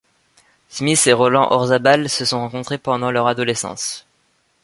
Smith et Roland Orzabal se sont rencontrés pendant leur adolescence.